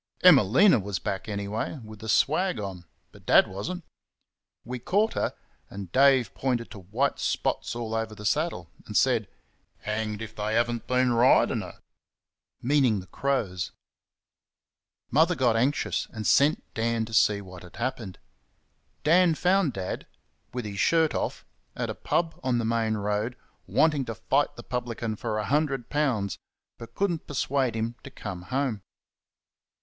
Emelina was back, anyway, with the swag on, but Dad was n't. We caught her, and Dave pointed to white spots all over the saddle, and said "Hanged if they have n't been ridin' her!" meaning the crows. Mother got anxious, and sent Dan to see what had happened. Dan found Dad, with his shirt off, at a pub on the main road, wanting to fight the publican for a hundred pounds, but could n't persuade him to come home.